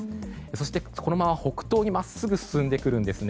そして、このまま北東に真っすぐ進んでくるんですね。